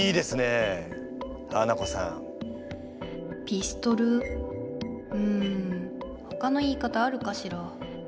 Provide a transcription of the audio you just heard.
ピストルうんほかの言い方あるかしら？